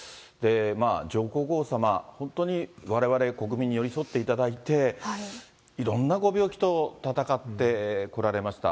上皇后さま、本当にわれわれ国民に寄り添っていただいて、いろんなご病気と闘ってこられました。